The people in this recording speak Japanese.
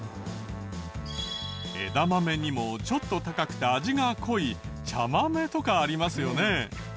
枝豆にもちょっと高くて味が濃い茶豆とかありますよね。